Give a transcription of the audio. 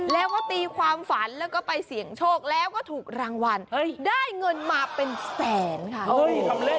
แล้วก็ตีความฝันแล้วก็ไปเสี่ยงโชคแล้วก็ถูกรางวัลได้เงินมาเป็นแสนค่ะ